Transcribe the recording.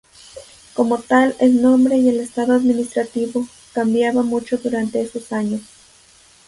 Como tal el nombre y el estado administrativo cambiaba mucho durante esos años.